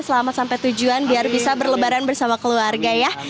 selamat sampai tujuan biar bisa berlebaran bersama keluarga ya